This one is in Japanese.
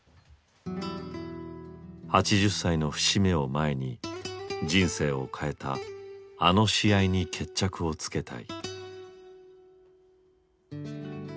８０歳の節目を前に人生を変えたあの試合に決着をつけたい。